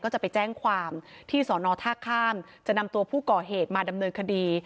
จะไปแจ้งความที่สอนอท่าข้ามจะนำตัวผู้ก่อเหตุมาดำเนินคดี